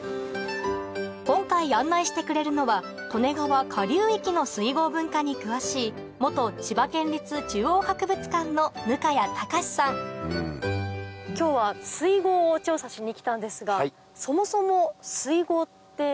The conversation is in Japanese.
今回案内してくれるのは利根川下流域の水郷文化に詳しい今日は水郷を調査しに来たんですがそもそも。